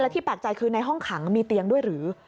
ที่แปลกใจคือในห้องขังมีเตียงด้วยหรือ